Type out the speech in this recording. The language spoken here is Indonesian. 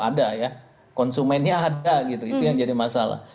ada ya konsumennya ada gitu itu yang jadi masalah